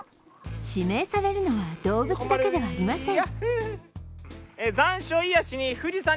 指名されるのは動物だけではありません。